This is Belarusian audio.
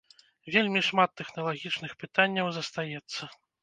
Вельмі шмат тэхналагічных пытанняў застаецца.